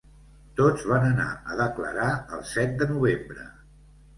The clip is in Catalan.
Tots van anar a declarar el set de novembre.